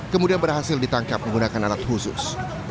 kemudian berhasil ditangkap menggunakan alat khusus